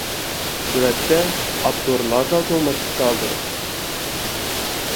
سۈرەتتە: ئاپتور لاسا چوڭ مەسچىتى ئالدىدا.